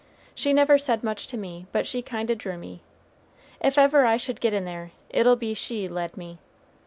She never said much to me, but she kind o' drew me. Ef ever I should get in there, it'll be she led me.